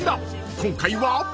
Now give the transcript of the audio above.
［今回は］